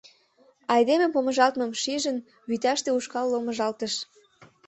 Айдеме помыжалтмым шижын, вӱташте ушкал ломыжалтыш.